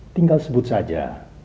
tinggal sebut saja